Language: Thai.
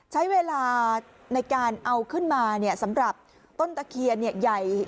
ใช้เวลาในการเอาขึ้นมาสำหรับต้นตะเคียนเนี่ยใหญ่